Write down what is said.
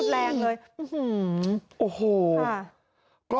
แล้วก๑๕๐๐